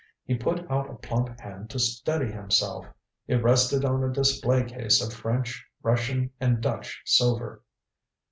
He put out a plump hand to steady himself. It rested on a display case of French, Russian and Dutch silver.